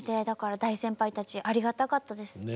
だから大先輩たちありがたかったです。